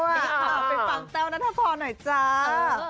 ปั๊บไปฟังแต้วนะถ้าพอหน่อยจ้า